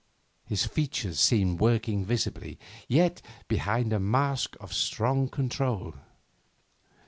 His features seemed working visibly, yet behind a mask of strong control.